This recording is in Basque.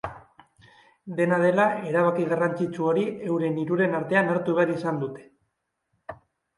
Dena dela, erabaki garrantzitsu hori euren hiruren artean hartu behar izan dute.